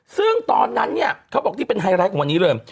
ซึ่งตอนนั้นเขาบอกถึงเป็นไฮไลท์ของวันนี้เริ่ม